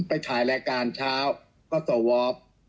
ไปถ่ายรายการเช้าก็สวอป